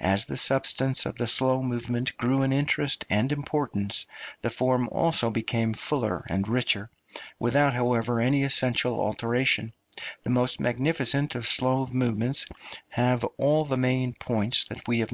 As the substance of the slow movement grew in interest and importance, the form also became fuller and richer, without, however, any essential alteration; the most magnificent of slow movements have all the main points that we have {SUITE MINUET.